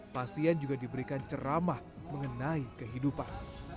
pasien juga diberikan ceramah mengenai kehidupan